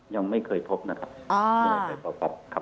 ยังไม่เคยพบนะครับ